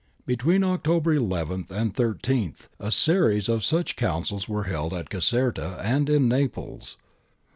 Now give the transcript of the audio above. Between October 11 and 13 a series of such councils were held at Caserta and in Naples.